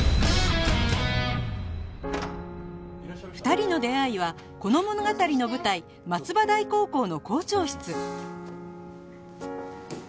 ２人の出会いはこの物語の舞台松葉台高校の校長室